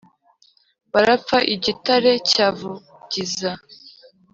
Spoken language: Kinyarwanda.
Barapfa i Gitare cya Vugiza